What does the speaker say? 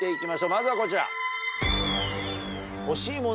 まずはこちら。